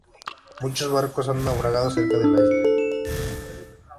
Muchos barcos han naufragado cerca de la isla.